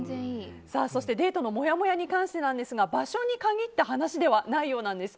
そしてデートのもやもやに関してなんですが場所に限った話ではないようなんです。